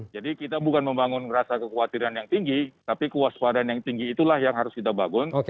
jadi kita bukan membangun rasa kekhawatiran yang tinggi tapi kewaspadaan yang tinggi itulah yang harus kita bangun